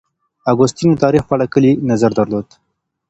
اګوستين د تاريخ په اړه کلي نظر درلود.